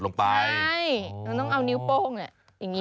มันต้องเอานิ้วโป้งเนี่ย